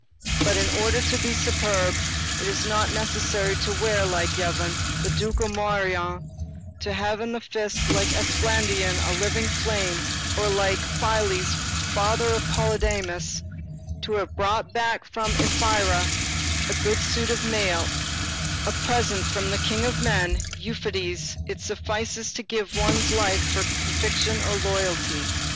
But, in order to be superb, it is not necessary to wear, like Yvon, the ducal morion, to have in the fist, like Esplandian, a living flame, or, like Phyles, father of Polydamas, to have brought back from Ephyra a good suit of mail, a present from the king of men, Euphetes; it suffices to give one's life for a conviction or a loyalty.